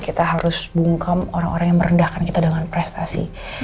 kita harus bungkam orang orang yang merendahkan kita dengan prestasi